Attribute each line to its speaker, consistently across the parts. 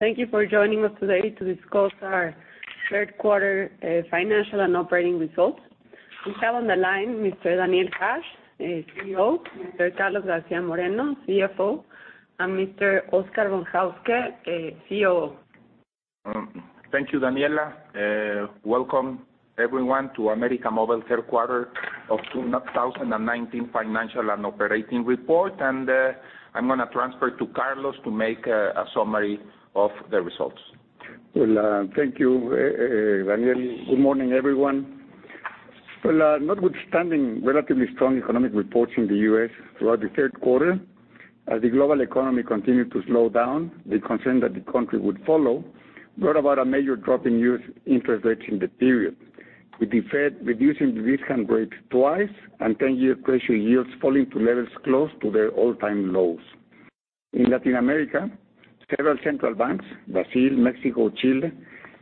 Speaker 1: Thank you for joining us today to discuss our third quarter financial and operating results. We have on the line Mr. Daniel Hajj, CEO, Mr. Carlos García Moreno, CFO, and Mr. Oscar Von Hauske Solís, COO.
Speaker 2: Thank you, Daniela. Welcome everyone to América Móvil third quarter of 2019 financial and operating report. I'm going to transfer to Carlos to make a summary of the results.
Speaker 3: Thank you, Daniel. Good morning, everyone. Notwithstanding relatively strong economic reports in the U.S. throughout the third quarter, as the global economy continued to slow down, the concern that the country would follow brought about a major drop in U.S. interest rates in the period, with the Fed reducing the discount rate twice and 10-year treasury yields falling to levels close to their all-time lows. In Latin America, several central banks, Brazil, Mexico, Chile,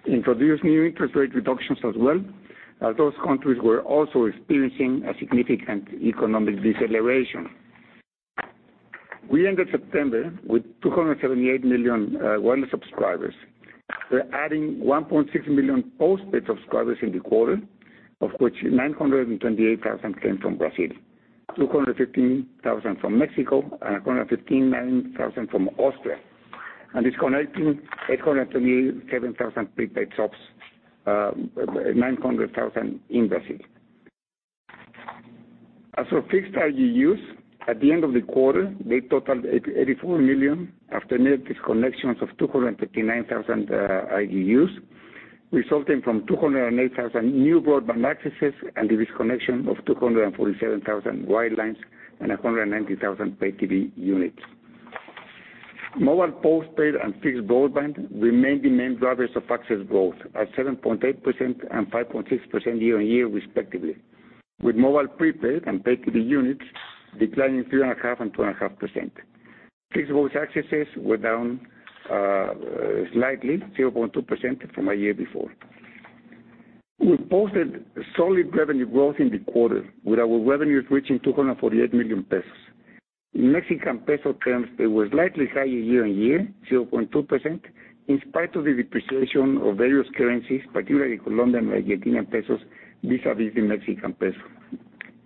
Speaker 3: introduced new interest rate reductions as well, as those countries were also experiencing a significant economic deceleration. We ended September with 278 million wireless subscribers. We're adding 1.6 million postpaid subscribers in the quarter, of which 928,000 came from Brazil, 215,000 from Mexico, and 115,000 from Austria, and disconnecting 827,000 prepaid subs, 900,000 in Brazil. As for fixed RGUs, at the end of the quarter, they totaled 84 million after net disconnections of 259,000 RGUs, resulting from 208,000 new broadband accesses and the disconnection of 247,000 wirelines and 190,000 pay TV units. Mobile postpaid and fixed broadband remain the main drivers of access growth at 7.8% and 5.6% year-on-year respectively, with mobile prepaid and pay TV units declining 3.5% and 2.5%. Fixed voice accesses were down slightly, 0.2% from a year before. We posted solid revenue growth in the quarter, with our revenues reaching 248 million pesos. In MXN terms, it was slightly higher year-on-year, 2.2%, in spite of the depreciation of various currencies, particularly COP and ARS, vis-à-vis the MXN.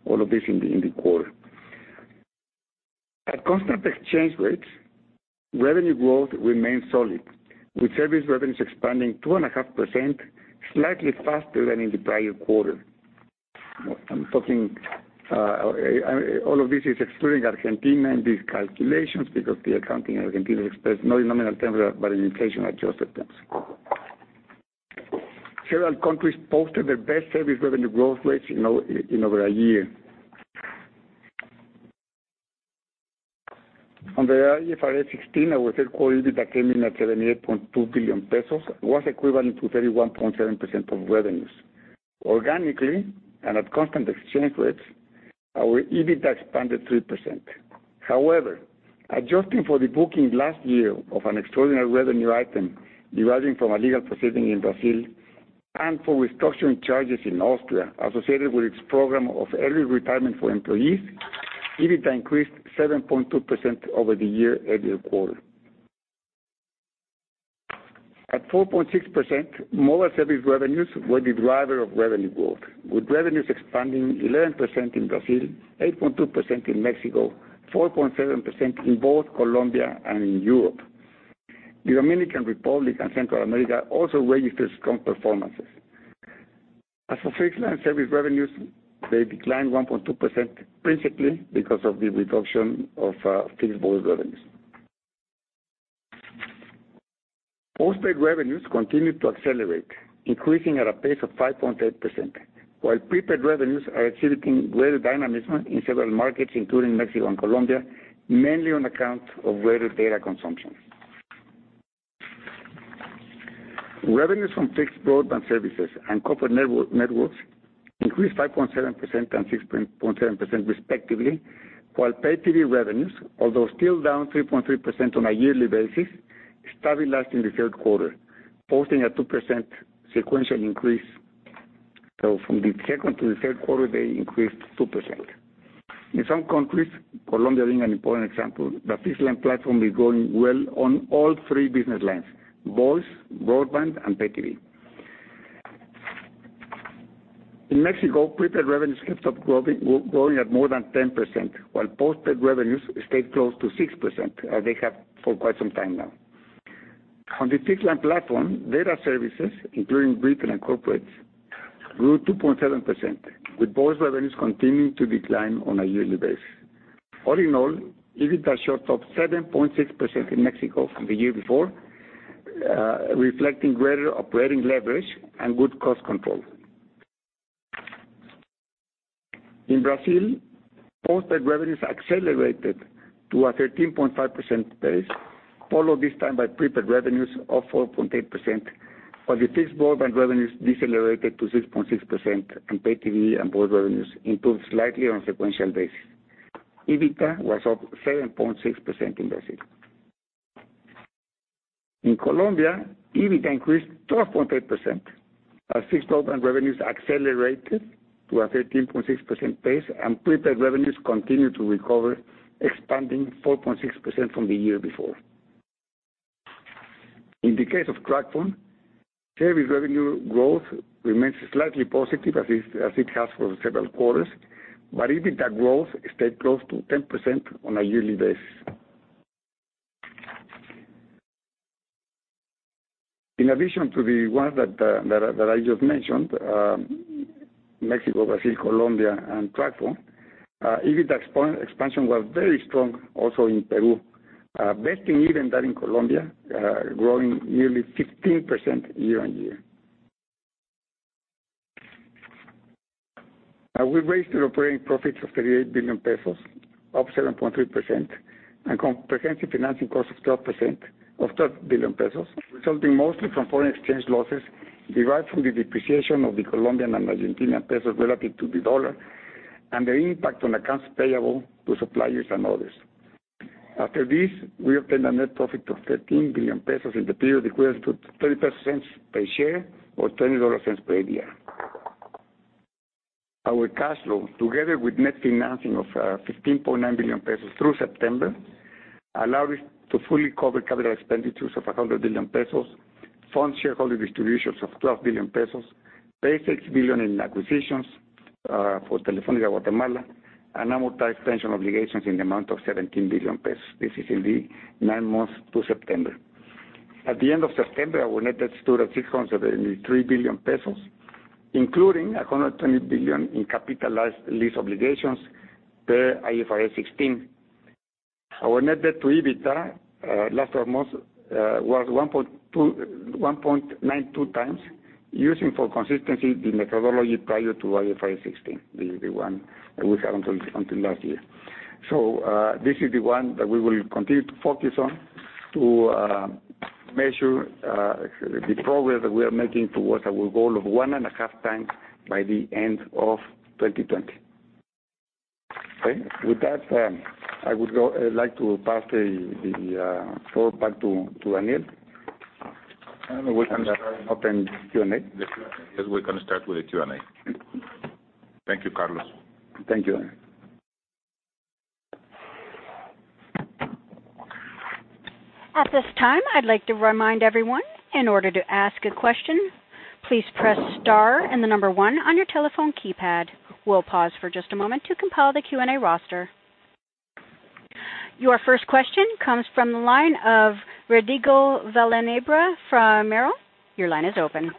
Speaker 3: All of this in the quarter. At constant exchange rates, revenue growth remained solid, with service revenues expanding 2.5%, slightly faster than in the prior quarter. All of this is excluding Argentina in these calculations because the accounting in Argentina is expressed not in nominal terms but in inflation-adjusted terms. Several countries posted their best service revenue growth rates in over a year. On the IFRS 16, our third quarter EBITDA came in at 78.2 billion pesos, was equivalent to 31.7% of revenues. Organically and at constant exchange rates, our EBITDA expanded 3%. However, adjusting for the booking last year of an extraordinary revenue item deriving from a legal proceeding in Brazil and for restructuring charges in Austria associated with its program of early retirement for employees, EBITDA increased 7.2% over the year-earlier quarter. At 4.6%, mobile service revenues were the driver of revenue growth, with revenues expanding 11% in Brazil, 8.2% in Mexico, 4.7% in both Colombia and in Europe. The Dominican Republic and Central America also registered strong performances. As for fixed-line service revenues, they declined 1.2%, principally because of the reduction of fixed voice revenues. postpaid revenues continued to accelerate, increasing at a pace of 5.8%, while prepaid revenues are achieving greater dynamism in several markets, including Mexico and Colombia, mainly on account of greater data consumption. Revenues from fixed broadband services and corporate networks increased 5.7% and 6.7%, respectively, while pay TV revenues, although still down 3.3% on a yearly basis, stabilized in the third quarter, posting a 2% sequential increase. From the second to the third quarter, they increased 2%. In some countries, Colombia being an important example, the fixed line platform is growing well on all three business lines, voice, broadband, and pay TV. In Mexico, prepaid revenues kept growing at more than 10%, while postpaid revenues stayed close to 6% as they have for quite some time now. On the fixed line platform, data services, including retail and corporates, grew 2.7%, with voice revenues continuing to decline on a yearly basis. All in all, EBITDA shot up 7.6% in Mexico from the year before, reflecting greater operating leverage and good cost control. In Brazil, postpaid revenues accelerated to a 13.5% base, followed this time by prepaid revenues of 4.8%, while the fixed broadband revenues decelerated to 6.6%, and pay TV and voice revenues improved slightly on a sequential basis. EBITDA was up 7.6% in Brazil. In Colombia, EBITDA increased 12.3%. Our fixed broadband revenues accelerated to a 13.6% pace, and prepaid revenues continued to recover, expanding 4.6% from the year before. In the case of Tracfone, service revenue growth remains slightly positive, as it has for several quarters, but EBITDA growth stayed close to 10% of a yearly basis. In addition to the ones that I just mentioned, Mexico, Brazil, Colombia, and Tracfone, EBITDA expansion was very strong also in Peru, besting even that in Colombia, growing nearly 15% year-on-year. We raised our operating profits of 38 billion pesos, up 7.3%, and comprehensive financing cost of 12 billion pesos, resulting mostly from foreign exchange losses derived from the depreciation of the Colombian and Argentinian pesos relative to the dollar and the impact on accounts payable to suppliers and others. After this, we obtained a net profit of 13 billion pesos in the period, equivalent to 30 per share or $0.20 per ADR. Our cash flow, together with net financing of 15.9 billion pesos through September, allowed us to fully cover capital expenditures of 100 billion pesos, fund shareholder distributions of 12 billion pesos, pay 6 billion in acquisitions for Telefónica Guatemala, and amortize pension obligations in the amount of 17 billion pesos. This is in the nine months to September. At the end of September, our Net Debt stood at 673 billion pesos, including 120 billion in capitalized lease obligations per IFRS 16. Our Net Debt to EBITDA last month was 1.92 times, using for consistency the methodology prior to IFRS 16, the one that we had until last year. This is the one that we will continue to focus on to measure the progress that we are making towards our goal of one and a half times by the end of 2020. Okay. With that, I would like to pass the floor back to Daniel. We can open Q&A.
Speaker 2: Yes, we can start with the Q&A. Thank you, Carlos.
Speaker 3: Thank you.
Speaker 4: At this time, I'd like to remind everyone, in order to ask a question, please press star and the number one on your telephone keypad. We'll pause for just a moment to compile the Q&A roster. Your first question comes from the line of Rodrigo Villanueva from Merrill. Your line is open.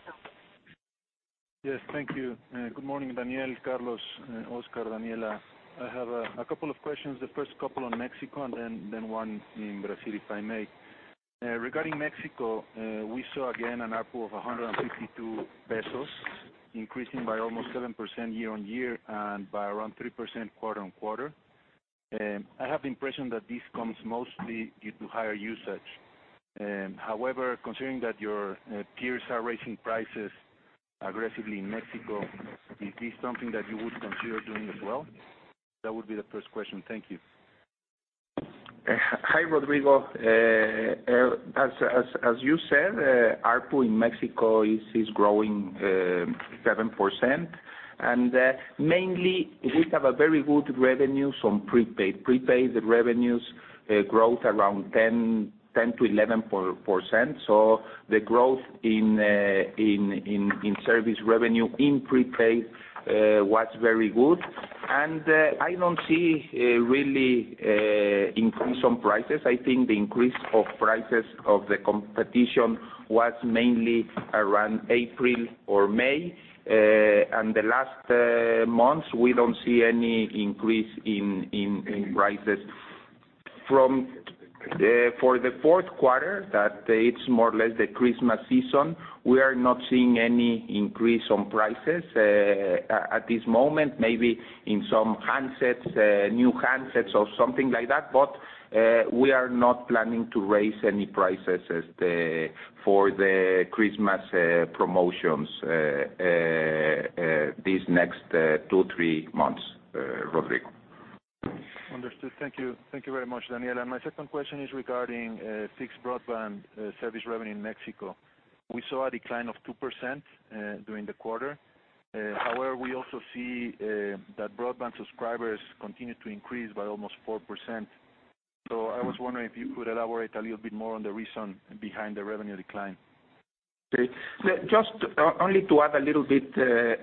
Speaker 5: Yes, thank you. Good morning, Daniel, Carlos, Oscar, Daniela. I have a couple of questions. The first couple on Mexico and then one in Brazil, if I may. Regarding Mexico, we saw again an ARPU of 152 pesos, increasing by almost 7% year-on-year and by around 3% quarter-on-quarter. I have the impression that this comes mostly due to higher usage. However, considering that your peers are raising prices aggressively in Mexico, is this something that you would consider doing as well? That would be the first question. Thank you.
Speaker 2: Hi, Rodrigo. As you said, ARPU in Mexico is growing 7%. Mainly, we have a very good revenue from prepaid. Prepaid revenues growth around 10%-11%. The growth in service revenue in prepaid was very good. I don't see really increase on prices. I think the increase of prices of the competition was mainly around April or May. The last months, we don't see any increase in prices. For the fourth quarter, that it's more or less the Christmas season, we are not seeing any increase on prices at this moment. Maybe in some handsets, new handsets or something like that, we are not planning to raise any prices for the Christmas promotions these next two, three months, Rodrigo.
Speaker 5: Understood. Thank you. Thank you very much, Daniel. My second question is regarding fixed broadband service revenue in Mexico. We saw a decline of 2% during the quarter. However, we also see that broadband subscribers continued to increase by almost 4%. I was wondering if you could elaborate a little bit more on the reason behind the revenue decline.
Speaker 2: Okay. Just only to add a little bit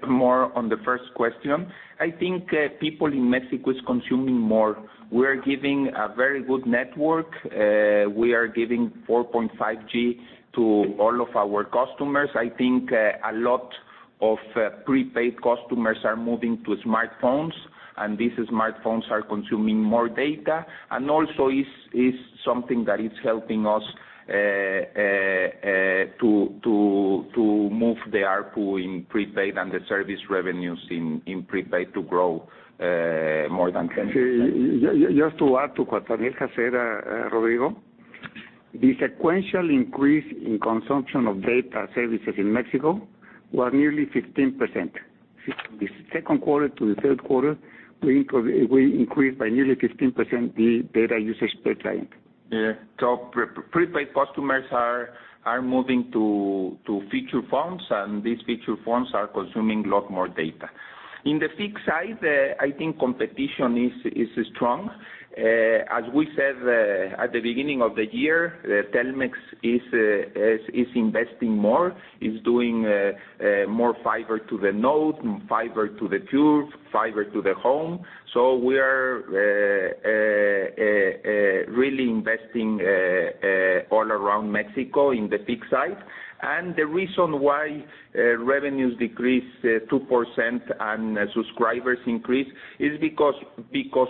Speaker 2: more on the first question. I think people in Mexico is consuming more. We're giving a very good network. We are giving 4.5G to all of our customers. I think a lot of prepaid customers are moving to smartphones, and these smartphones are consuming more data, and also is something that is helping us to move the ARPU in prepaid and the service revenues in prepaid to grow more than 10%.
Speaker 3: Just to add to what Daniel has said, Rodrigo. The sequential increase in consumption of data services in Mexico was nearly 15%. From the second quarter to the third quarter, we increased by nearly 15% the data usage per client.
Speaker 2: Yeah. Prepaid customers are moving to feature phones, and these feature phones are consuming a lot more data. In the fixed side, I think competition is strong. As we said at the beginning of the year, Telmex is investing more, is doing more Fiber to the Node, Fiber to the Curb, Fiber to the Home. We are really investing all around Mexico in the fixed side. The reason why revenues decreased 2% and subscribers increased is because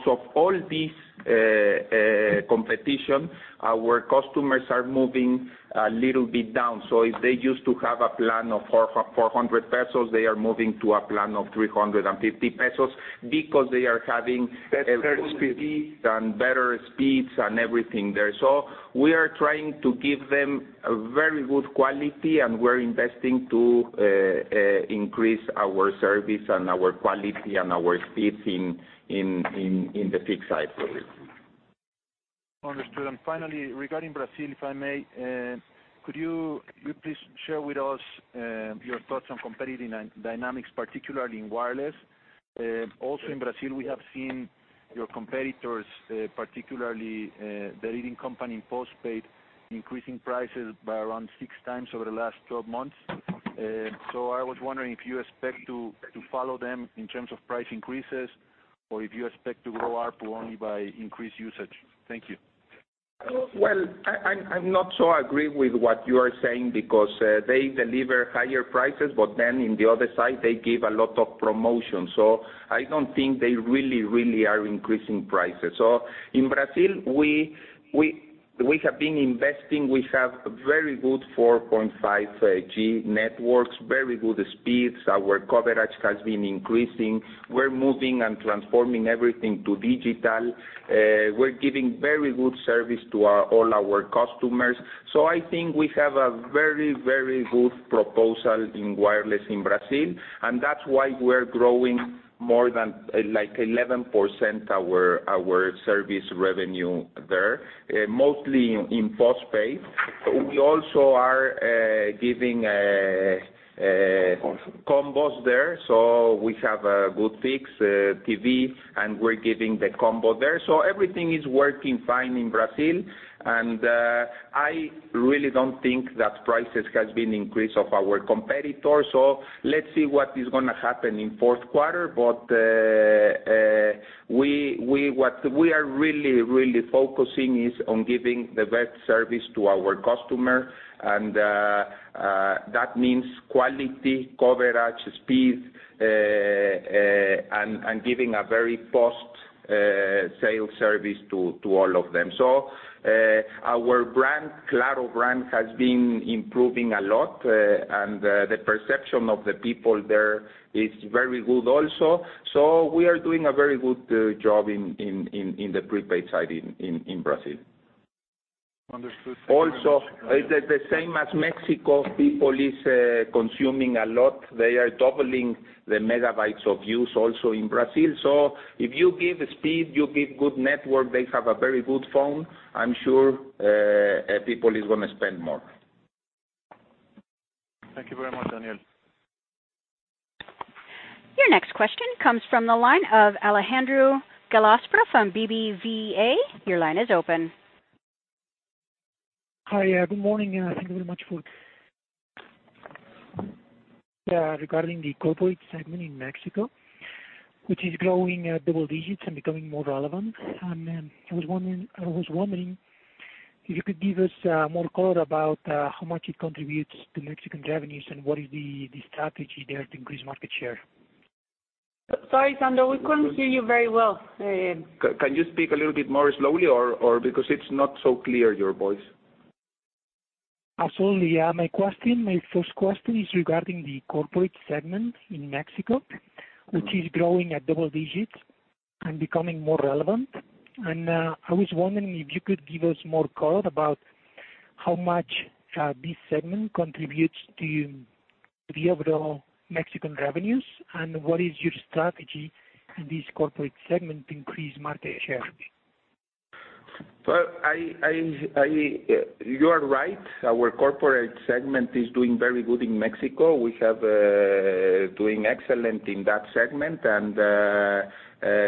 Speaker 2: of all this competition, our customers are moving a little bit down. If they used to have a plan of 400 pesos, they are moving to a plan of 350 pesos because they are having better speeds and everything there. We are trying to give them a very good quality, and we're investing to increase our service and our quality and our speeds in the fixed side for this.
Speaker 5: Understood. Finally, regarding Brazil, if I may, could you please share with us your thoughts on competitive dynamics, particularly in wireless? In Brazil, we have seen your competitors, particularly the leading company in postpaid, increasing prices by around six times over the last 12 months. I was wondering if you expect to follow them in terms of price increases, or if you expect to grow ARPU only by increased usage. Thank you.
Speaker 2: I'm not so agree with what you are saying because they deliver higher prices, on the other side, they give a lot of promotion. I don't think they really are increasing prices. In Brazil, we have been investing. We have very good 4.5G networks, very good speeds. Our coverage has been increasing. We're moving and transforming everything to digital. We're giving very good service to all our customers. I think we have a very good proposal in wireless in Brazil, and that's why we're growing more than 11% our service revenue there, mostly in postpaid. We also are giving combos there. We have a good pay TV, and we're giving the combo there. Everything is working fine in Brazil, and I really don't think that prices have been increased of our competitor. Let's see what is going to happen in the fourth quarter. What we are really focusing on is on giving the best service to our customer, and that means quality, coverage, speed, and giving a very post-sale service to all of them. Our Claro brand has been improving a lot, and the perception of the people there is very good also. We are doing a very good job in the prepaid side in Brazil.
Speaker 5: Understood. Thank you very much.
Speaker 2: Also, the same as Mexico, people are consuming a lot. They are doubling the megabytes of use also in Brazil. If you give speed, you give good network, they have a very good phone, I'm sure people are going to spend more.
Speaker 5: Thank you very much, Daniel.
Speaker 4: Your next question comes from the line of Alejandro Gallostra from BBVA. Your line is open.
Speaker 6: Hi. Good morning, and thank you very much. Regarding the corporate segment in Mexico, which is growing double digits and becoming more relevant. I was wondering if you could give us more color about how much it contributes to Mexican revenues and what is the strategy there to increase market share.
Speaker 2: Sorry, Alejandro. We couldn't hear you very well.
Speaker 3: Can you speak a little bit more slowly or? Because it's not so clear, your voice.
Speaker 6: Absolutely. My first question is regarding the corporate segment in Mexico, which is growing at double digits and becoming more relevant. I was wondering if you could give us more color about how much this segment contributes to the overall Mexican revenues, and what is your strategy in this corporate segment to increase market share?
Speaker 2: Well, you are right. Our corporate segment is doing very good in Mexico. We have doing excellent in that segment and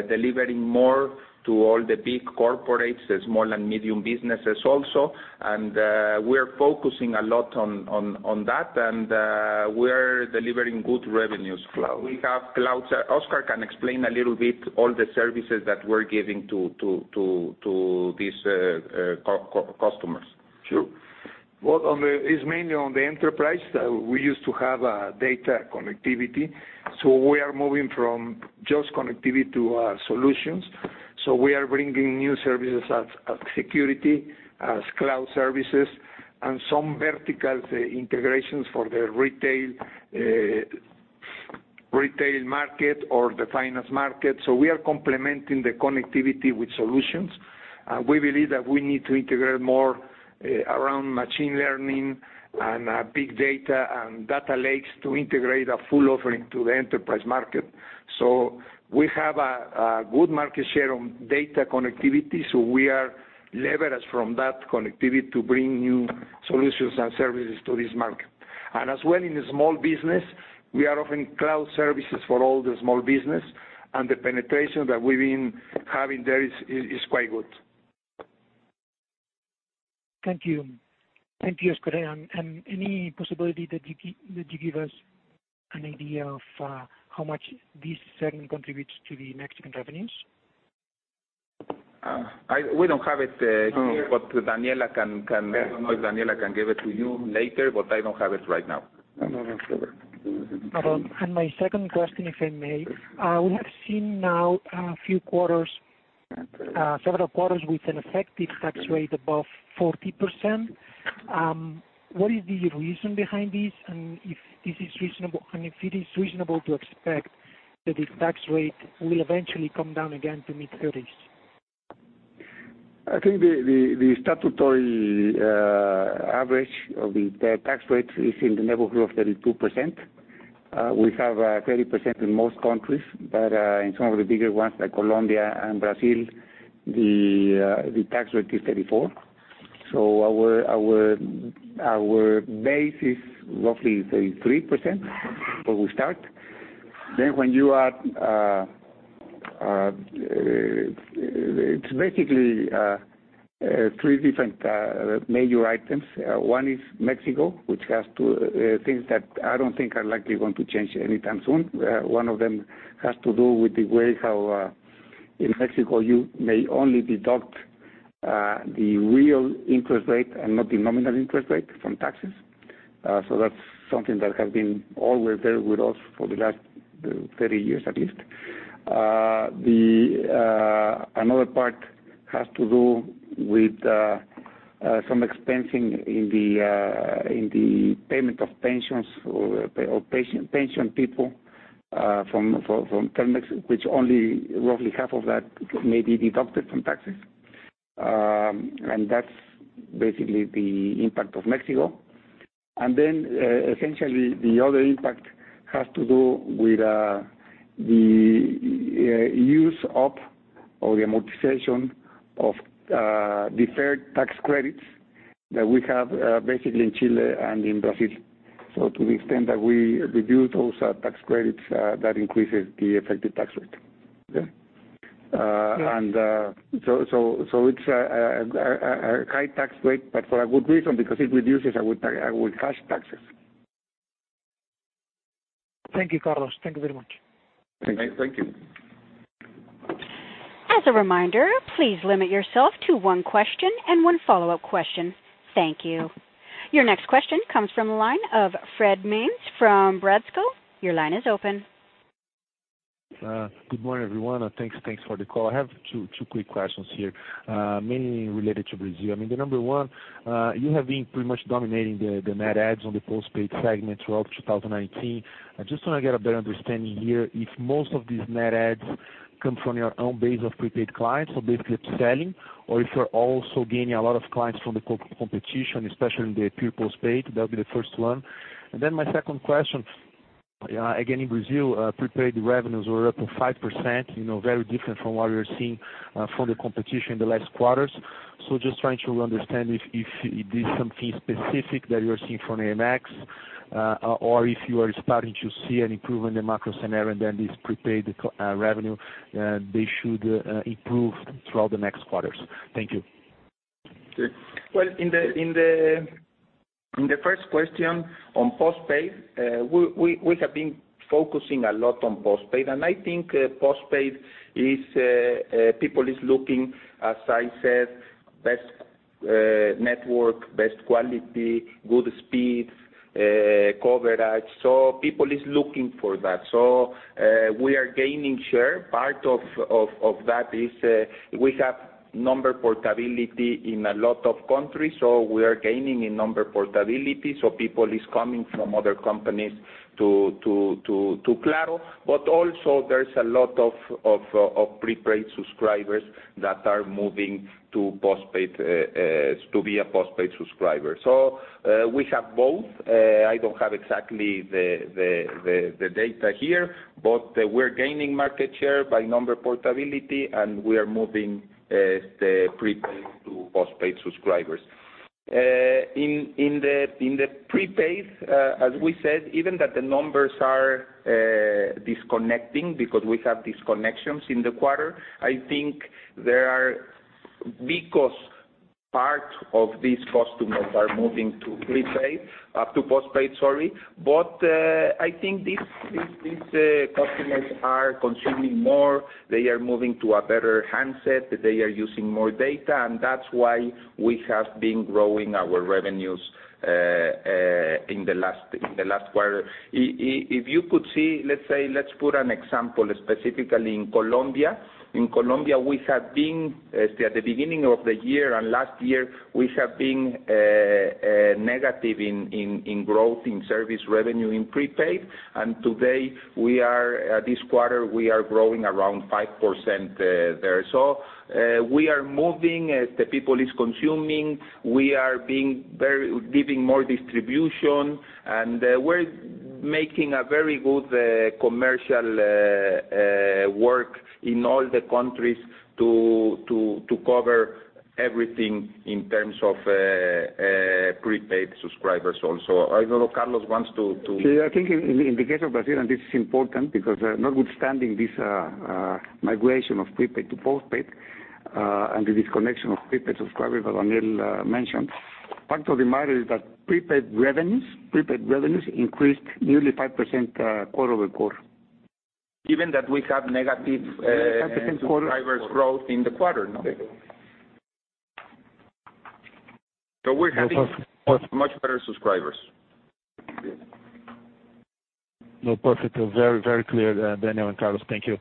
Speaker 2: delivering more to all the big corporates, the small and medium businesses also. We're focusing a lot on that, and we're delivering good revenues.
Speaker 3: Cloud.
Speaker 2: We have cloud. Oscar can explain a little bit all the services that we're giving to these customers.
Speaker 7: Sure. Well, it's mainly on the enterprise. We used to have data connectivity. We are moving from just connectivity to solutions. We are bringing new services as security, as cloud services, and some vertical integrations for the retail market or the finance market. We are complementing the connectivity with solutions. We believe that we need to integrate more around machine learning and big data and data lakes to integrate a full offering to the enterprise market. We have a good market share on data connectivity. We are leveraged from that connectivity to bring new solutions and services to this market. As well, in the small business, we are offering cloud services for all the small business and the penetration that we've been having there is quite good.
Speaker 6: Thank you. Thank you, Oscar. Any possibility that you give us an idea of how much this segment contributes to the Mexican revenues?
Speaker 3: We don't have it here, but Daniela can give it to you later, but I don't have it right now.
Speaker 6: No problem. My second question, if I may. We have seen now several quarters with an effective tax rate above 40%. What is the reason behind this? If it is reasonable to expect that the tax rate will eventually come down again to mid-30s?
Speaker 3: I think the statutory average of the tax rate is in the neighborhood of 32%. We have 30% in most countries, but in some of the bigger ones like Colombia and Brazil, the tax rate is 34%. Our base is roughly 33% where we start. When you add, it's basically three different major items. One is Mexico, which has two things that I don't think are likely going to change anytime soon. One of them has to do with the way how in Mexico you may only deduct the real interest rate and not the nominal interest rate from taxes. That's something that has been always there with us for the last 30 years at least. Another part has to do with some expensing in the payment of pensions or pension people from Telmex, which only roughly half of that may be deducted from taxes. That's basically the impact of Mexico. Essentially the other impact has to do with the use up or the amortization of deferred tax credits that we have basically in Chile and in Brazil. To the extent that we reduce those tax credits, that increases the effective tax rate. It's a high tax rate, but for a good reason, because it reduces our cash taxes.
Speaker 6: Thank you, Carlos. Thank you very much.
Speaker 3: Thank you.
Speaker 4: As a reminder, please limit yourself to one question and one follow-up question. Thank you. Your next question comes from the line of Frederico Mendes from Bradesco. Your line is open.
Speaker 8: Good morning, everyone, and thanks for the call. I have two quick questions here, mainly related to Brazil. The number one, you have been pretty much dominating the net adds on the postpaid segment throughout 2019. I just want to get a better understanding here if most of these net adds comes from your own base of prepaid clients, so basically upselling, or if you're also gaining a lot of clients from the competition, especially in the pure postpaid. That would be the first one. My second question, again, in Brazil, prepaid revenues were up to 5%, very different from what we're seeing from the competition in the last quarters. Just trying to understand if this is something specific that you're seeing from AMX, or if you are starting to see an improvement in the macro scenario and then this prepaid revenue, they should improve throughout the next quarters? Thank you.
Speaker 2: Well, in the first question on postpaid, we have been focusing a lot on postpaid, I think postpaid is people is looking, as I said, best network, best quality, good speed, coverage. People is looking for that. We are gaining share. Part of that is we have number portability in a lot of countries, we are gaining in number portability, people is coming from other companies to Claro. Also there's a lot of prepaid subscribers that are moving to postpaid, to be a postpaid subscriber. We have both. I don't have exactly the data here, we're gaining market share by number portability, and we are moving the prepaid to postpaid subscribers.
Speaker 3: In the prepaid, as we said, even that the numbers are disconnecting because we have disconnections in the quarter, I think there are because part of these customers are moving to postpaid, sorry. I think these customers are consuming more. They are moving to a better handset. They are using more data, and that's why we have been growing our revenues in the last quarter. If you could see, let's put an example specifically in Colombia. In Colombia, we have been at the beginning of the year and last year, we have been negative in growth in service revenue in prepaid. Today, this quarter, we are growing around 5% there. We are moving as the people is consuming. We are giving more distribution
Speaker 2: We're making a very good commercial work in all the countries to cover everything in terms of prepaid subscribers also. I don't know, Carlos wants to.
Speaker 3: I think in the case of Brazil, this is important because notwithstanding this migration of prepaid to postpaid and the disconnection of prepaid subscribers that Daniel mentioned, fact of the matter is that prepaid revenues increased nearly 5% quarter-over-quarter.
Speaker 2: Given that we have negative-
Speaker 3: 5% quarter-over-quarter.
Speaker 2: subscribers growth in the quarter.
Speaker 3: There you go.
Speaker 2: We're having much better subscribers.
Speaker 8: Perfect. Very clear, Daniel and Carlos. Thank you.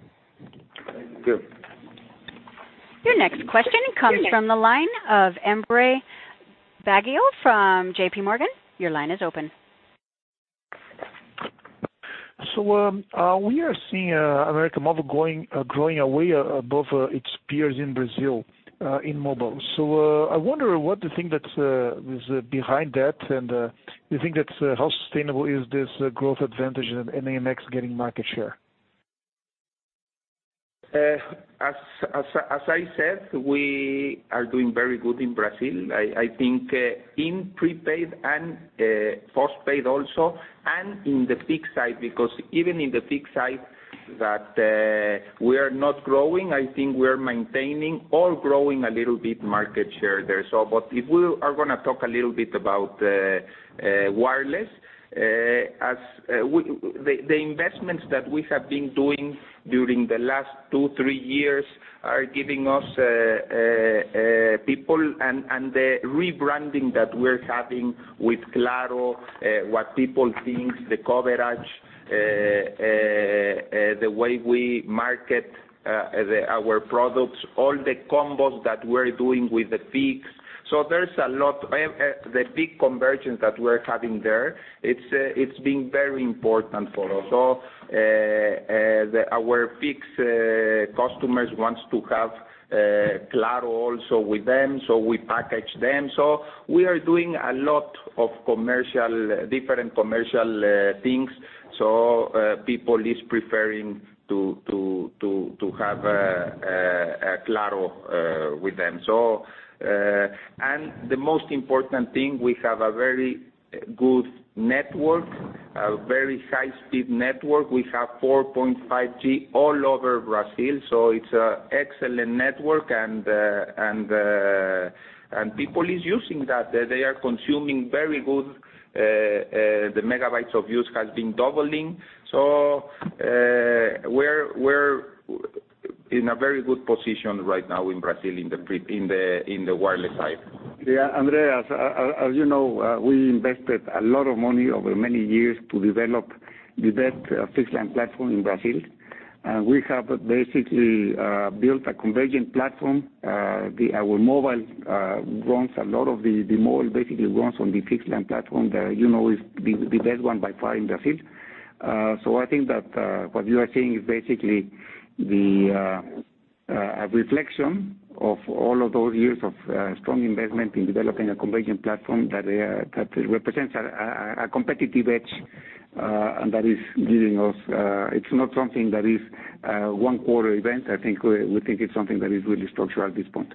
Speaker 2: Thank you.
Speaker 4: Your next question comes from the line of Andre Baggio from JPMorgan. Your line is open.
Speaker 9: We are seeing América Móvil growing away above its peers in Brazil in mobile. I wonder what do you think that is behind that, and do you think that's how sustainable is this growth advantage in AMX getting market share?
Speaker 2: As I said, we are doing very good in Brazil. I think in prepaid and postpaid also, and in the fixed side because even in the fixed side that we are not growing, I think we are maintaining or growing a little bit market share there. If we are going to talk a little bit about wireless, the investments that we have been doing during the last two, three years are giving us people and the rebranding that we're having with Claro, what people think, the coverage, the way we market our products, all the combos that we're doing with the fixed. There's a lot. The big convergence that we're having there, it's been very important for us. Our fixed customers wants to have Claro also with them, so we package them. We are doing a lot of different commercial things, so people is preferring to have Claro with them. The most important thing, we have a very good network, a very high-speed network. We have 4.5G all over Brazil, so it's an excellent network, and people is using that. They are consuming very good. The megabytes of use has been doubling. We're in a very good position right now in Brazil in the wireless side.
Speaker 3: Yeah, Andrea, as you know, we invested a lot of money over many years to develop the best fixed-line platform in Brazil. We have basically built a convergent platform. Our mobile runs a lot of the mobile, basically runs on the fixed-line platform. You know it's the best one by far in Brazil. I think that what you are seeing is basically a reflection of all of those years of strong investment in developing a convergent platform that represents a competitive edge, and that is giving us. It's not something that is a one-quarter event. We think it's something that is really structural at this point.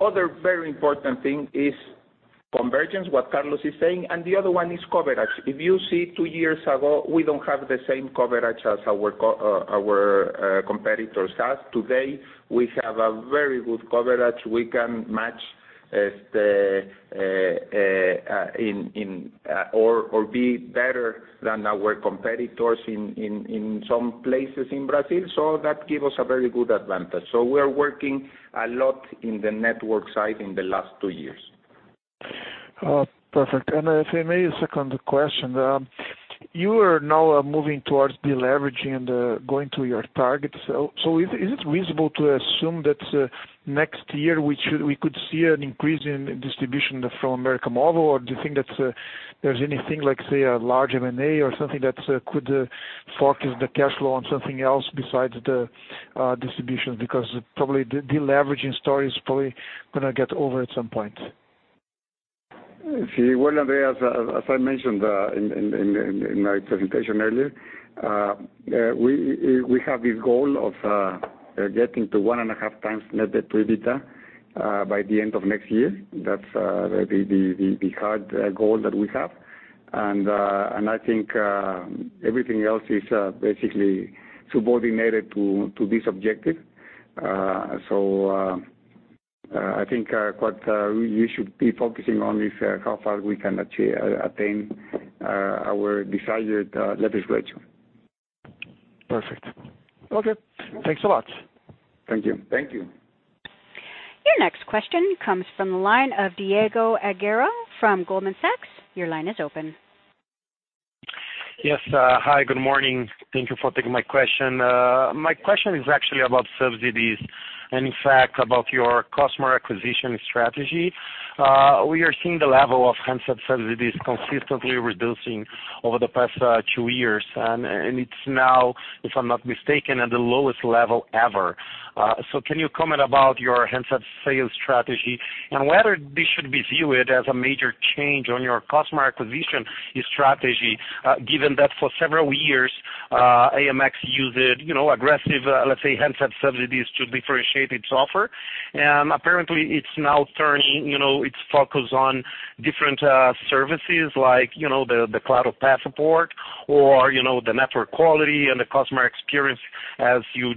Speaker 2: Other very important thing is convergence, what Carlos is saying, and the other one is coverage. If you see two years ago, we don't have the same coverage as our competitors have. Today, we have a very good coverage. We can match or be better than our competitors in some places in Brazil. That give us a very good advantage. We're working a lot in the network side in the last two years.
Speaker 9: Perfect. If I may, a second question. You are now moving towards deleveraging and going to your targets. Is it reasonable to assume that next year we could see an increase in distribution from América Móvil, or do you think that there's anything like, say, a large M&A or something that could focus the cash flow on something else besides the distribution? Probably the deleveraging story is probably going to get over at some point.
Speaker 3: Well, Andre, as I mentioned in my presentation earlier, we have this goal of getting to one and a half times Net Debt to EBITDA by the end of next year. That's the hard goal that we have. I think everything else is basically subordinated to this objective. I think what you should be focusing on is how far we can attain our desired leverage ratio.
Speaker 9: Perfect. Okay. Thanks a lot.
Speaker 3: Thank you.
Speaker 2: Thank you.
Speaker 4: Your next question comes from the line of Diego Agüero from Goldman Sachs. Your line is open.
Speaker 10: Yes. Hi, good morning. Thank you for taking my question. My question is actually about subsidies. In fact, about your customer acquisition strategy, we are seeing the level of handset subsidies consistently reducing over the past two years, and it's now, if I'm not mistaken, at the lowest level ever. Can you comment about your handset sales strategy and whether this should be viewed as a major change on your customer acquisition strategy, given that for several years, AMX used aggressive, let's say, handset subsidies to differentiate its offer? Apparently it's now turning its focus on different services like the Claro Passport or the network quality and the customer experience as you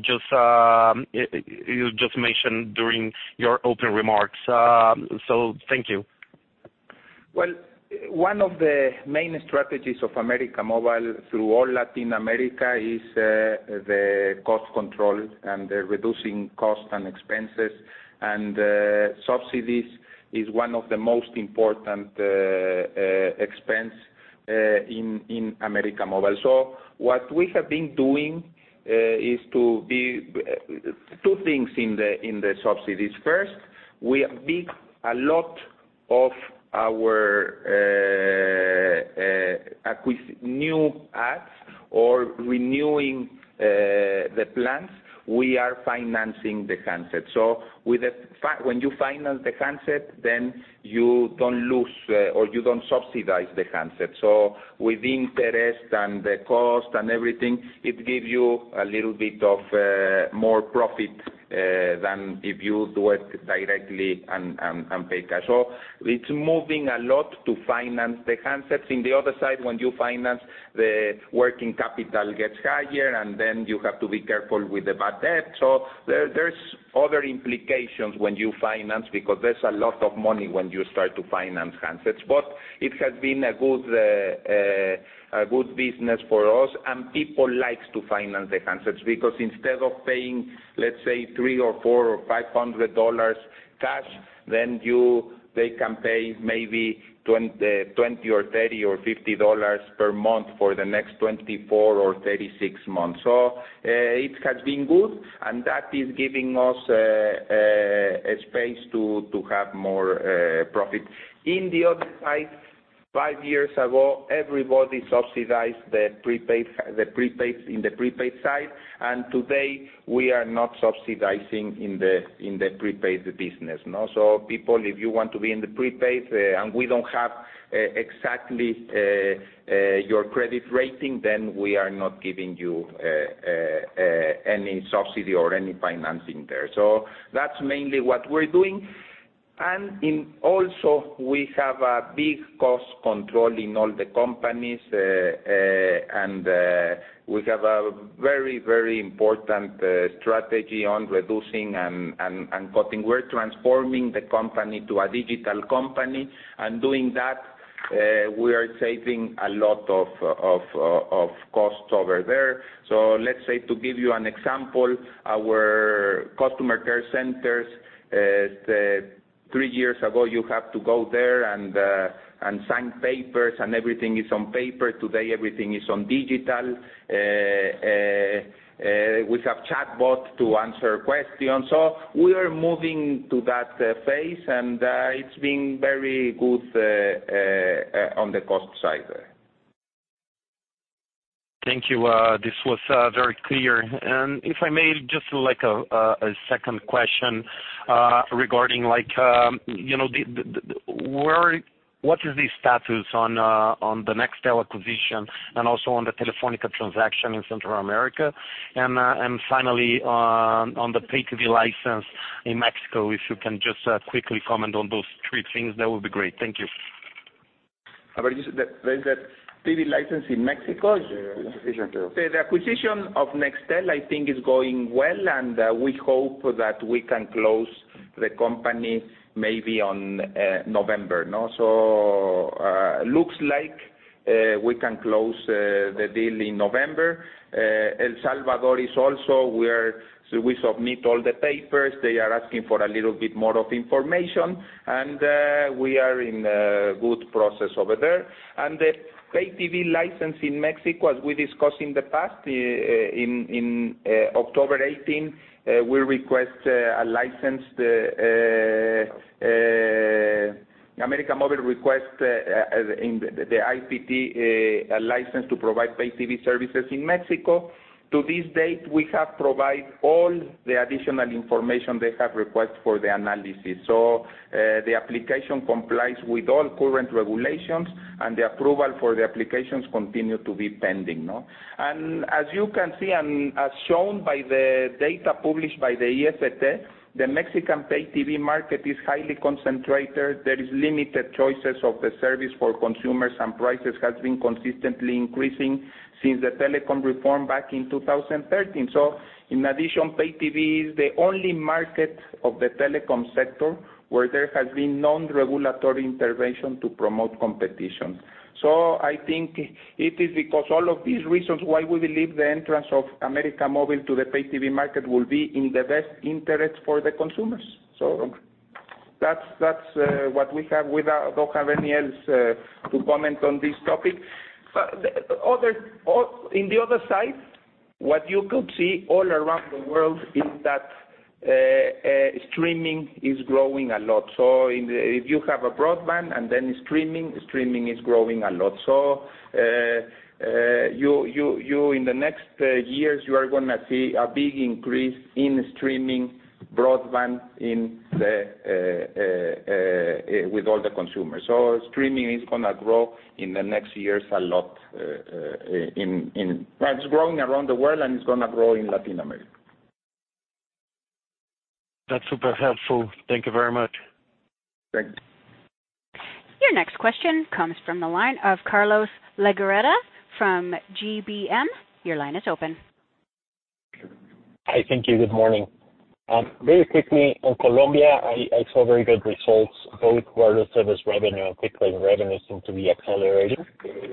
Speaker 10: just mentioned during your opening remarks. Thank you.
Speaker 2: Well, one of the main strategies of América Móvil through all Latin America is the cost control and reducing cost and expenses, and subsidies is one of the most important expense in América Móvil. What we have been doing is two things in the subsidies. First, a lot of our new adds or renewing the plans, we are financing the handset. When you finance the handset, then you don't lose or you don't subsidize the handset. With interest and the cost and everything, it gives you a little bit of more profit than if you do it directly and pay cash. It's moving a lot to finance the handsets. In the other side, when you finance, the working capital gets higher, and then you have to be careful with the bad debt. There's other implications when you finance because there's a lot of money when you start to finance handsets. It has been a good business for us, and people like to finance the handsets, because instead of paying, let's say 300 or 400 or MXN 500 cash, then they can pay maybe 20 or 30 or MXN 50 per month for the next 24 or 36 months. It has been good, and that is giving us space to have more profit. On the other side, five years ago, everybody subsidized the prepaid in the prepaid side, and today we are not subsidizing in the prepaid business. People, if you want to be in the prepaid, and we don't have exactly your credit rating, then we are not giving you any subsidy or any financing there. That's mainly what we're doing. Also we have a big cost control in all the companies. We have a very important strategy on reducing and cutting. We're transforming the company to a digital company, and doing that, we are saving a lot of costs over there. Let's say to give you an example, our customer care centers, three years ago, you have to go there and sign papers, and everything is on paper. Today, everything is on digital. We have chatbot to answer questions. We are moving to that phase, and it's been very good on the cost side.
Speaker 10: Thank you. This was very clear. If I may, just a second question regarding what is the status on the Nextel acquisition and also on the Telefónica transaction in Central America? Finally, on the pay TV license in Mexico, if you can just quickly comment on those three things, that would be great. Thank you.
Speaker 2: There is the pay TV license in Mexico.
Speaker 3: The acquisition too.
Speaker 2: The acquisition of Nextel I think is going well, we hope that we can close the company maybe on November. Looks like we can close the deal in November. El Salvador is also where we submit all the papers. They are asking for a little bit more of information, and we are in a good process over there. The pay TV license in Mexico, as we discussed in the past, in October 18, we request a license. América Móvil request the IPTV license to provide pay TV services in Mexico. To this date, we have provided all the additional information they have requested for the analysis. The application complies with all current regulations, and the approval for the applications continue to be pending. As you can see and as shown by the data published by the IFT, the Mexican pay TV market is highly concentrated. There is limited choices of the service for consumers, and prices has been consistently increasing since the telecom reform back in 2013. In addition, pay TV is the only market of the telecom sector where there has been non-regulatory intervention to promote competition. I think it is because all of these reasons why we believe the entrance of América Móvil to the pay TV market will be in the best interest for the consumers. That's what we have. We don't have anything else to comment on this topic. In the other side, what you could see all around the world is that streaming is growing a lot. If you have a broadband and then streaming is growing a lot. You in the next years, you are going to see a big increase in streaming broadband with all the consumers. Streaming is going to grow in the next years a lot. It's growing around the world, and it's going to grow in Latin America.
Speaker 10: That's super helpful. Thank you very much.
Speaker 2: Great.
Speaker 4: Your next question comes from the line of Carlos Legarreta from GBM. Your line is open.
Speaker 11: Hi. Thank you. Good morning. Very quickly, in Colombia, I saw very good results, both wireless service revenue and fixed line revenue seem to be accelerating.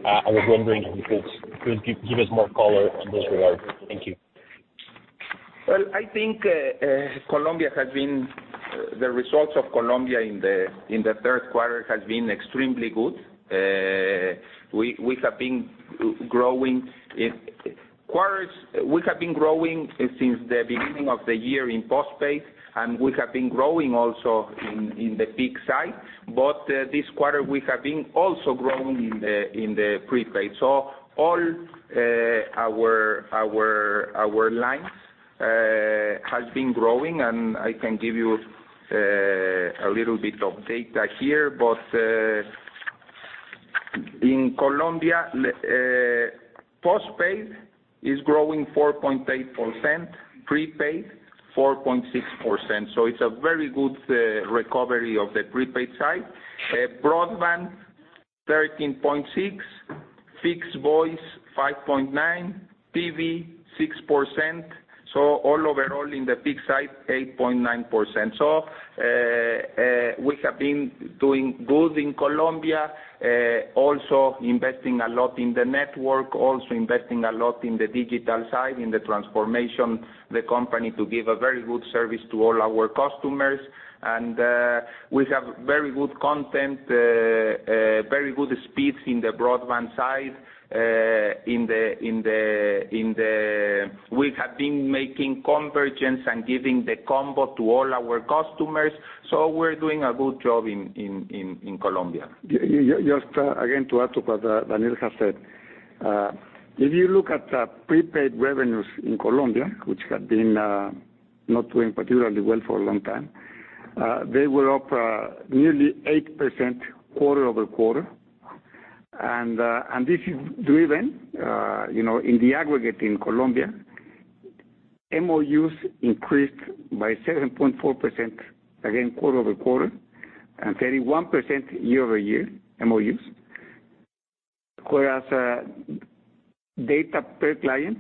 Speaker 11: I was wondering if you could give us more color on this regard. Thank you.
Speaker 2: Well, I think the results of Colombia in the third quarter has been extremely good. We have been growing. We have been growing since the beginning of the year in postpaid, and we have been growing also in the fixed side. This quarter we have been also growing in the prepaid. All our lines have been growing, and I can give you a little bit of data here. In Colombia, postpaid is growing 4.8%, prepaid 4.6%. It's a very good recovery of the prepaid side. Broadband 13.6%, fixed voice 5.9%, PV 6%. All overall in the peak side, 8.9%. We have been doing good in Colombia, also investing a lot in the network, also investing a lot in the digital side, in the transformation the company to give a very good service to all our customers. We have very good content, very good speeds in the broadband side. We have been making convergence and giving the combo to all our customers. We're doing a good job in Colombia.
Speaker 3: Just again, to add to what Daniel has said. If you look at the prepaid revenues in Colombia, which had been not doing particularly well for a long time, they were up nearly 8% quarter-over-quarter. This is driven in the aggregate in Colombia. MOU increased by 7.4%, again, quarter-over-quarter, and 31% year-over-year MOU. Whereas data per client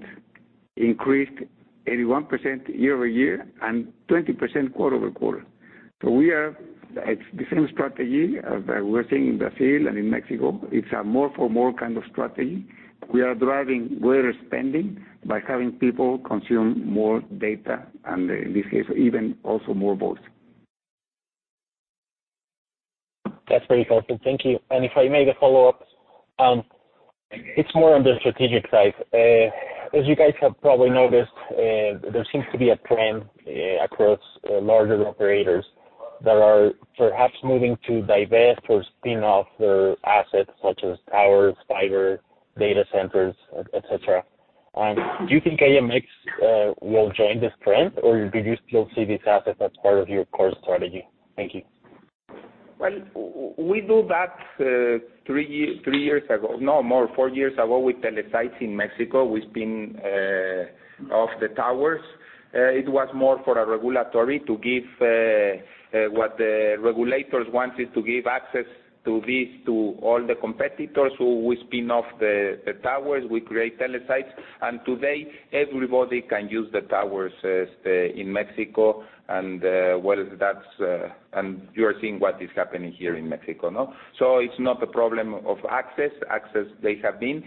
Speaker 3: increased 81% year-over-year and 20% quarter-over-quarter. It's the same strategy as we're seeing in Brazil and in Mexico. It's a more for more kind of strategy. We are driving greater spending by having people consume more data, and in this case, even also more both.
Speaker 11: That's very helpful. Thank you. If I may make a follow-up. It's more on the strategic side. As you guys have probably noticed, there seems to be a trend across larger operators that are perhaps moving to divest or spin off their assets such as towers, fiber, data centers, et cetera. Do you think AMX will join this trend, or do you still see this asset as part of your core strategy? Thank you.
Speaker 2: Well, we do that three years ago. No, more, four years ago with Telesites in Mexico. We spin off the towers. It was more for a regulatory to give what the regulators wanted to give access to this to all the competitors so we spin off the towers, we create Telesites, and today everybody can use the towers in Mexico and you are seeing what is happening here in Mexico. It's not a problem of access. Access they have been.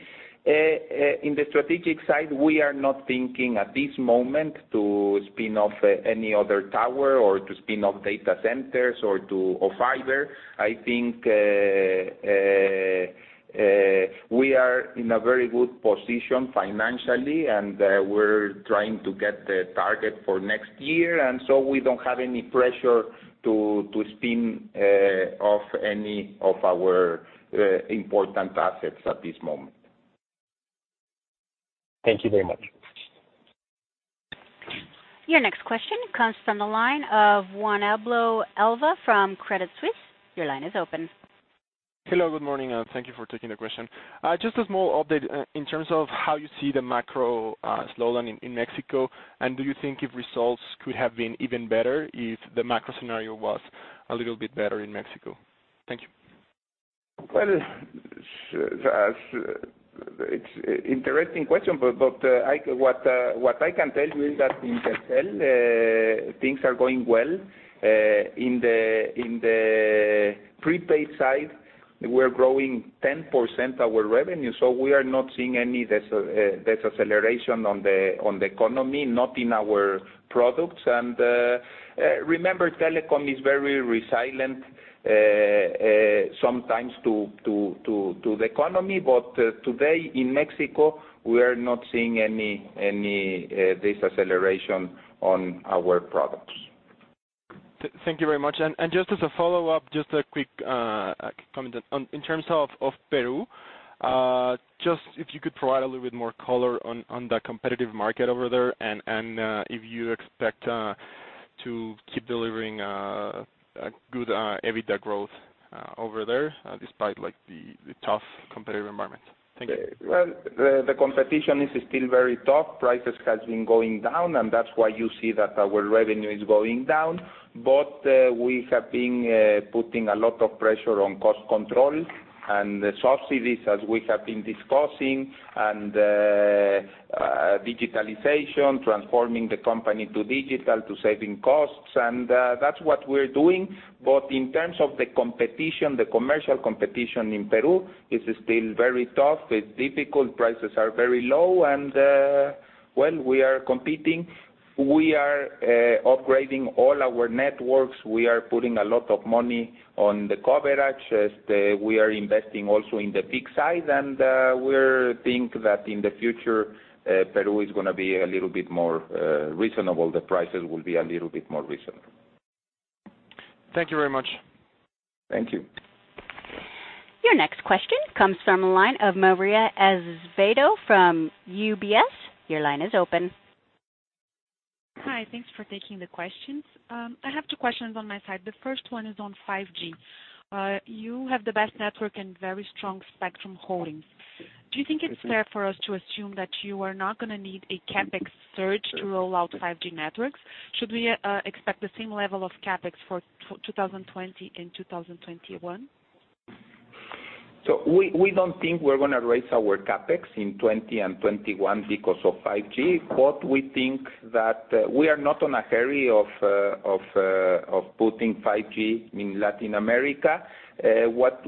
Speaker 2: In the strategic side, we are not thinking at this moment to spin off any other tower or to spin off data centers or fiber. I think we are in a very good position financially, and we're trying to get the target for next year, and so we don't have any pressure to spin off any of our important assets at this moment.
Speaker 11: Thank you very much.
Speaker 4: Your next question comes from the line of Juan Pablo Elverdin from Credit Suisse. Your line is open.
Speaker 12: Hello, good morning. Thank you for taking the question. Just a small update in terms of how you see the macro slowdown in Mexico, do you think if results could have been even better if the macro scenario was a little bit better in Mexico? Thank you.
Speaker 2: Well, it's interesting question, but what I can tell you is that in Telcel, things are going well in the prepaid side, we're growing 10% our revenue, so we are not seeing any deceleration on the economy, not in our products. Remember, telecom is very resilient sometimes to the economy. Today in Mexico, we are not seeing any deceleration on our products.
Speaker 12: Thank you very much. Just as a follow-up, just a quick comment. In terms of Peru, just if you could provide a little bit more color on the competitive market over there and if you expect to keep delivering a good EBITDA growth over there, despite the tough competitive environment. Thank you.
Speaker 2: Well, the competition is still very tough. Prices have been going down. That's why you see that our revenue is going down. We have been putting a lot of pressure on cost control and the subsidies, as we have been discussing, and digitalization, transforming the company to digital, to saving costs. That's what we're doing. In terms of the competition, the commercial competition in Peru is still very tough. It's difficult. Prices are very low. Well, we are competing. We are upgrading all our networks. We are putting a lot of money on the coverage as we are investing also in the CapEx side. We think that in the future, Peru is going to be a little bit more reasonable. The prices will be a little bit more reasonable.
Speaker 12: Thank you very much.
Speaker 2: Thank you.
Speaker 4: Your next question comes from the line of Maria Azevedo from UBS. Your line is open.
Speaker 13: Hi. Thanks for taking the questions. I have two questions on my side. The first one is on 5G. You have the best network and very strong spectrum holdings. Do you think it's fair for us to assume that you are not going to need a CapEx surge to roll out 5G networks? Should we expect the same level of CapEx for 2020 and 2021?
Speaker 2: We don't think we're going to raise our CapEx in 2020 and 2021 because of 5G. We think that we are not in a hurry of putting 5G in Latin America. What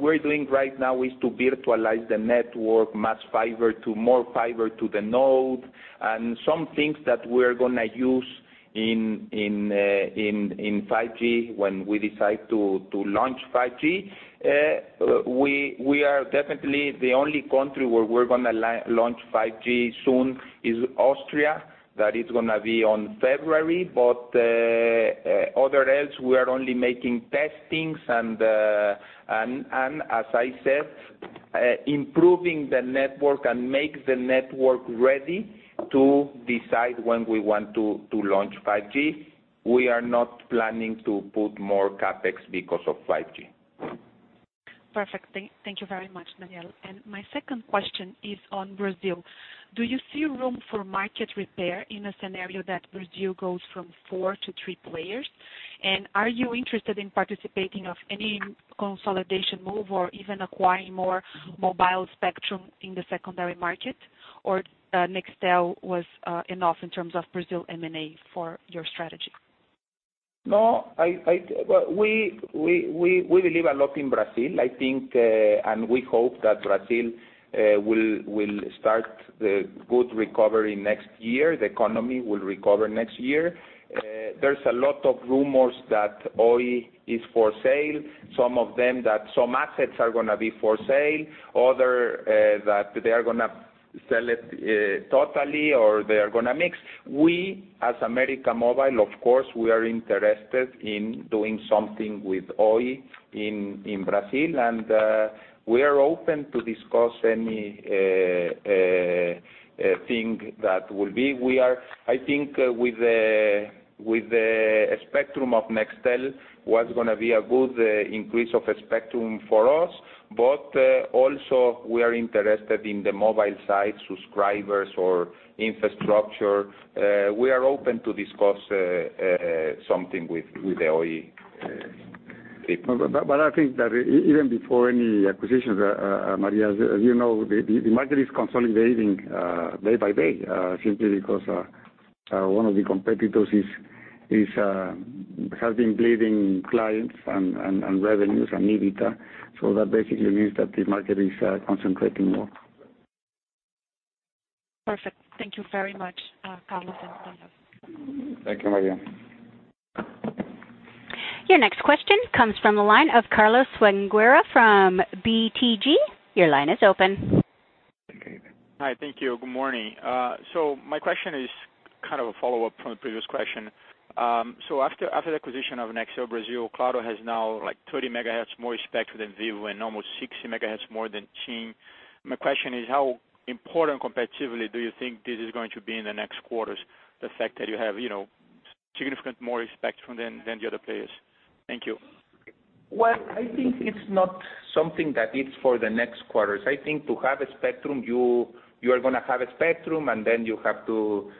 Speaker 2: we're doing right now is to virtualize the network, much fiber to more Fiber to the Node and some things that we're going to use in 5G when we decide to launch 5G. We are definitely the only country where we're going to launch 5G soon is Austria. That is going to be on February. Otherwise, we are only making testings and as I said improving the network and make the network ready to decide when we want to launch 5G. We are not planning to put more CapEx because of 5G.
Speaker 13: Perfect. Thank you very much, Daniel. My second question is on Brazil. Do you see room for market repair in a scenario that Brazil goes from four to three players? Are you interested in participating of any consolidation move or even acquiring more mobile spectrum in the secondary market? Nextel was enough in terms of Brazil M&A for your strategy?
Speaker 2: No, we believe a lot in Brazil. I think, we hope that Brazil will start good recovery next year. The economy will recover next year. There's a lot of rumors that Oi is for sale. Some of them that some assets are going to be for sale. Other that they are going to sell it totally, they are going to mix. We, as América Móvil, of course, we are interested in doing something with Oi in Brazil, we are open to discuss anything that will be. I think with the spectrum of Nextel was going to be a good increase of spectrum for us. Also we are interested in the mobile side subscribers or infrastructure. We are open to discuss something with the Oi people.
Speaker 3: I think that even before any acquisitions, Maria, as you know, the market is consolidating day by day simply because one of the competitors has been bleeding clients and revenues and EBITDA. That basically means that the market is concentrating more.
Speaker 13: Perfect. Thank you very much, Carlos and Daniel.
Speaker 3: Thank you, Maria.
Speaker 4: Your next question comes from the line of Carlos Sequeira from BTG. Your line is open.
Speaker 14: Hi. Thank you. Good morning. My question is kind of a follow-up from the previous question. After the acquisition of Nextel Brazil, Claro has now 30 megahertz more spectrum than Vivo and almost 60 megahertz more than TIM. My question is how important competitively do you think this is going to be in the next quarters, the fact that you have significant more spectrum than the other players? Thank you.
Speaker 2: Well, I think it's not something that is for the next quarters. I think to have a spectrum, you are going to have a spectrum, and then you have to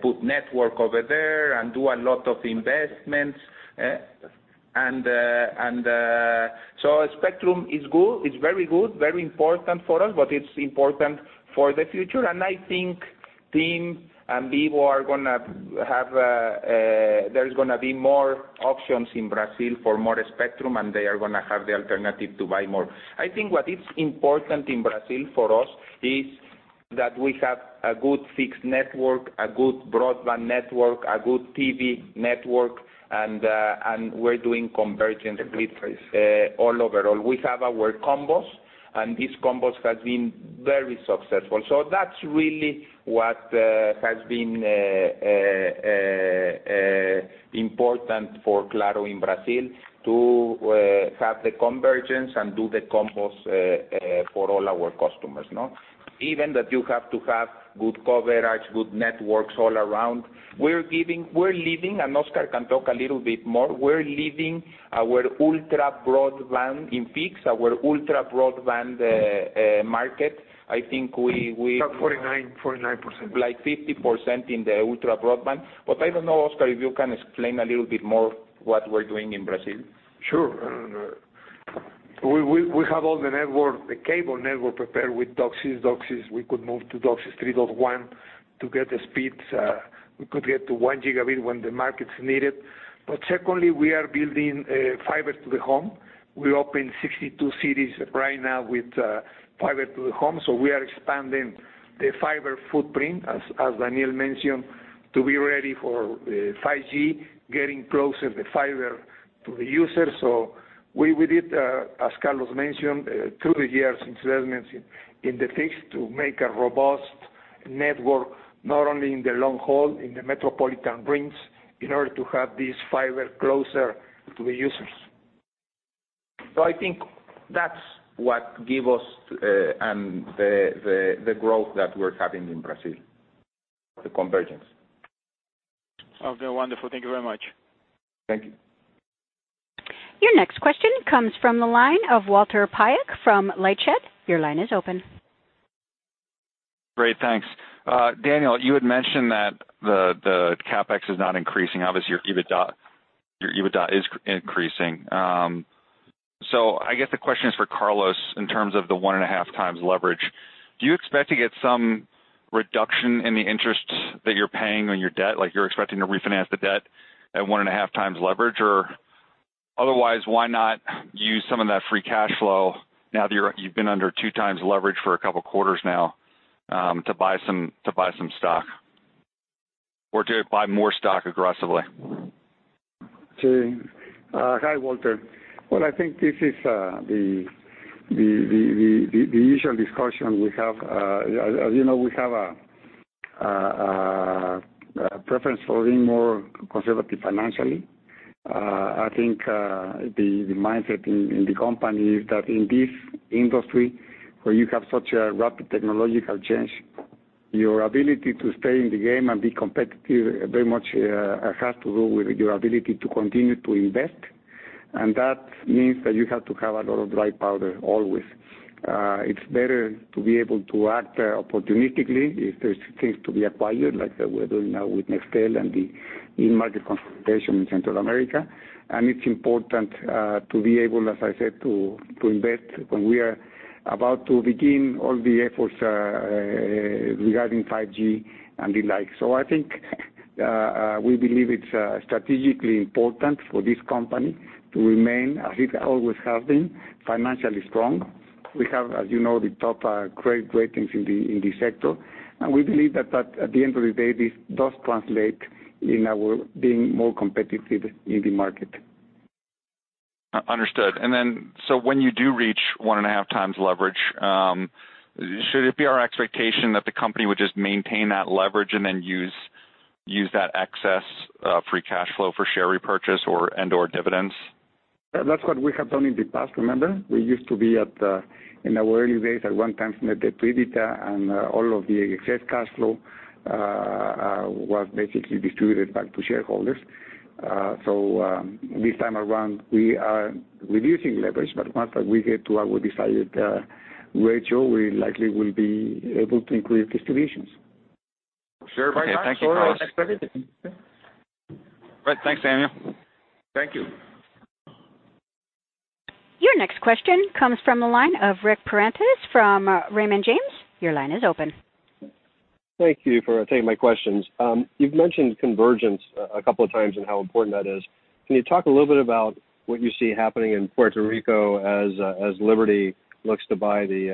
Speaker 2: put network over there and do a lot of investments. Spectrum is good. It's very good, very important for us, but it's important for the future. I think TIM and Vivo, there's going to be more options in Brazil for more spectrum, and they are going to have the alternative to buy more. I think what is important in Brazil for us is that we have a good fixed network, a good broadband network, a good TV network, and we're doing convergence all overall. We have our combos, and these combos have been very successful. That's really what has been important for Claro in Brazil, to have the convergence and do the combos for all our customers. Even that you have to have good coverage, good networks all around. We're leading, and Oscar can talk a little bit more, we're leading our ultra broadband in fixed, our ultra broadband market.
Speaker 7: About 49%.
Speaker 2: Like 50% in the ultra broadband. I don't know, Oscar, if you can explain a little bit more what we're doing in Brazil.
Speaker 7: Sure. We have all the network, the cable network prepared with DOCSIS. DOCSIS, we could move to DOCSIS 3.1 to get the speeds. We could get to one gigabit when the markets need it. Secondly, we are building Fiber to the Home. We opened 62 cities right now with Fiber to the Home. We are expanding the fiber footprint, as Daniel mentioned, to be ready for 5G, getting closer the fiber to the user. We did, as Carlos mentioned, through the years, investments in the fixed to make a robust network, not only in the long haul, in the metropolitan rings, in order to have this fiber closer to the users. I think that's what give us the growth that we're having in Brazil, the convergence.
Speaker 14: Okay, wonderful. Thank you very much.
Speaker 3: Thank you.
Speaker 4: Your next question comes from the line of Walter Piecyk from LightShed. Your line is open.
Speaker 15: Great, thanks. Daniel, you had mentioned that the CapEx is not increasing. Obviously, your EBITDA is increasing. I guess the question is for Carlos, in terms of the one and a half times leverage. Do you expect to get some reduction in the interest that you're paying on your debt, like you're expecting to refinance the debt at one and a half times leverage? Otherwise, why not use some of that free cash flow now that you've been under two times leverage for a couple of quarters now, to buy some stock or to buy more stock aggressively?
Speaker 3: Hi, Walter. Well, I think this is the usual discussion we have. As you know, we have a preference for being more conservative financially. I think the mindset in the company is that in this industry where you have such a rapid technological change, your ability to stay in the game and be competitive very much has to do with your ability to continue to invest, and that means that you have to have a lot of dry powder always. It's better to be able to act opportunistically if there's things to be acquired, like we're doing now with Nextel and the in-market consultation in Central America. It's important to be able, as I said, to invest when we are about to begin all the efforts regarding 5G and the like. I think we believe it's strategically important for this company to remain, as it always has been, financially strong. We have, as you know, the top credit ratings in the sector, and we believe that at the end of the day, this does translate in our being more competitive in the market.
Speaker 15: Understood. When you do reach 1.5 times leverage, should it be our expectation that the company would just maintain that leverage and then use that excess free cash flow for share repurchase and/or dividends?
Speaker 3: That's what we have done in the past, remember? We used to be at, in our early days, at 1x Net Debt to EBITDA, and all of the excess cash flow was basically distributed back to shareholders. This time around, we are reducing leverage, but once we get to our desired ratio, we likely will be able to increase distributions.
Speaker 2: Sure.
Speaker 15: Okay. Thank you, Carlos. Great. Thanks, Daniel.
Speaker 3: Thank you.
Speaker 4: Your next question comes from the line of Ric Prentiss from Raymond James. Your line is open.
Speaker 16: Thank you for taking my questions. You've mentioned convergence a couple of times and how important that is. Can you talk a little bit about what you see happening in Puerto Rico as Liberty looks to buy the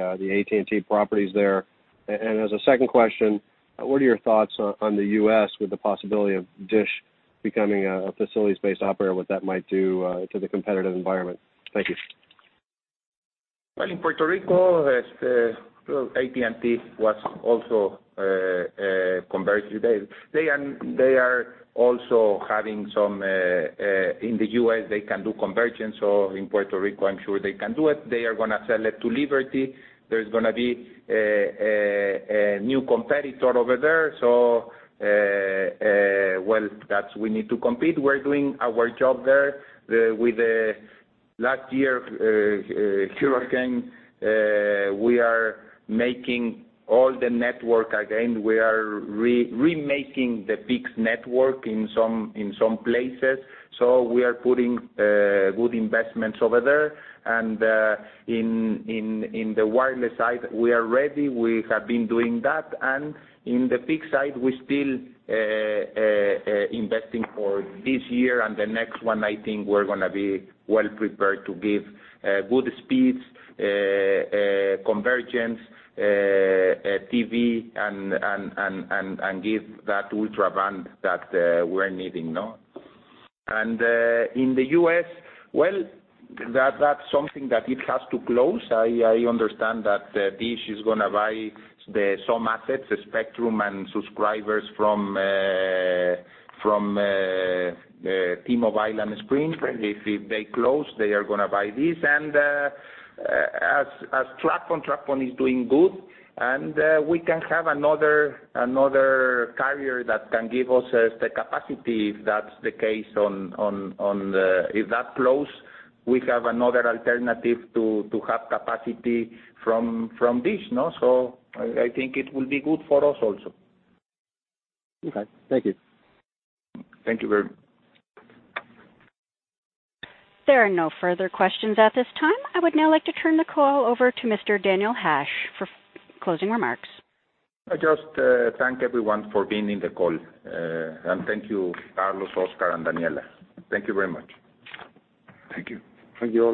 Speaker 16: AT&T properties there? As a second question, what are your thoughts on the U.S. with the possibility of DISH becoming a facilities-based operator, what that might do to the competitive environment? Thank you.
Speaker 2: Well, in Puerto Rico, AT&T was also converged. They are also having some in the U.S. they can do convergence. In Puerto Rico, I'm sure they can do it. They are going to sell it to Liberty. There's going to be a new competitor over there. Well, that we need to compete. We're doing our job there. With last year hurricane, we are making all the network again. We are remaking the fixed network in some places. We are putting good investments over there. In the wireless side, we are ready. We have been doing that. In the fixed side, we're still investing for this year and the next one, I think we're going to be well prepared to give good speeds, convergence, TV, and give that ultra broadband that we're needing. In the U.S., well, that's something that it has to close. I understand that Dish is going to buy some assets, spectrum, and subscribers from T-Mobile and Sprint. If they close, they are going to buy this. As Tracfone is doing good. We can have another carrier that can give us the capacity, if that's the case. If that close, we have another alternative to have capacity from Dish. I think it will be good for us also.
Speaker 16: Okay. Thank you.
Speaker 2: Thank you very much.
Speaker 4: There are no further questions at this time. I would now like to turn the call over to Mr. Daniel Hajj for closing remarks.
Speaker 2: I just thank everyone for being in the call. Thank you, Carlos, Oscar, and Daniela. Thank you very much.
Speaker 7: Thank you. Thank you all.